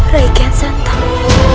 rai kian santang